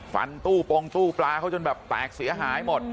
ฟันตู้ปงตู้ปลาเขาจนแบบแตกเสียหายหมด